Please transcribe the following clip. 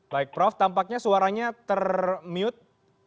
baik prof tampaknya suaranya termute